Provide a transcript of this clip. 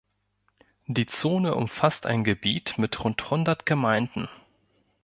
Die Zone umfasst ein Gebiet mit rund hundert Gemeinden.